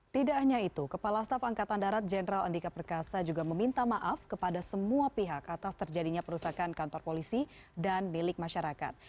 tidak hanya itu kepala staf angkatan darat jenderal andika perkasa juga meminta maaf kepada semua pihak atas terjadinya perusakan kantor polisi dan milik masyarakat